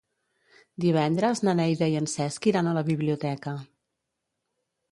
Divendres na Neida i en Cesc iran a la biblioteca.